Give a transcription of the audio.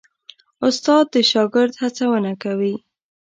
استاد د شاګرد هڅونه کوي.